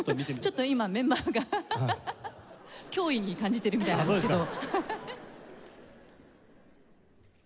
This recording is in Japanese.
ちょっと今メンバーがハハハ脅威に感じてるみたいなんですけど。